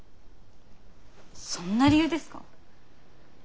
そんな理由ですか？